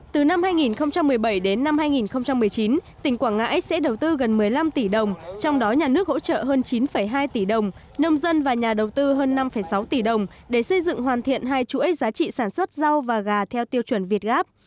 từ năm hai nghìn một mươi bảy đến năm hai nghìn một mươi chín tỉnh quảng ngãi sẽ đầu tư gần một mươi năm tỷ đồng trong đó nhà nước hỗ trợ hơn chín hai tỷ đồng nông dân và nhà đầu tư hơn năm sáu tỷ đồng để xây dựng hoàn thiện hai chuỗi giá trị sản xuất rau và gà theo tiêu chuẩn việt gáp